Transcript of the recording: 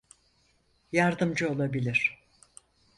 Yardımcı olabilir.